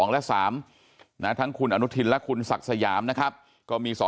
และ๓ทั้งคุณอนุทินและคุณศักดิ์สยามนะครับก็มี๒